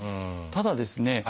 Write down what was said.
ただですね